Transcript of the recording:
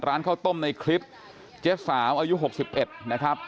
ร้านข้าวต้มในคลิปเจ๊สาวอายุ๖๑นะครับ